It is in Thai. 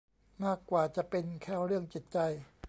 มากกว่าจะเป็นแค่เรื่องจิตใจ